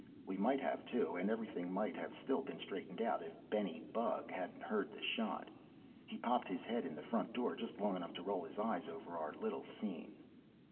We might have too, and everything might have still been straightened out if Benny Bug hadn't heard the shot. He popped his head in the front door just long enough to roll his eyes over our little scene.